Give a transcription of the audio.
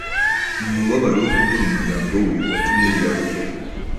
Umubabaro wo kubura umuryango we watumye yiyahura.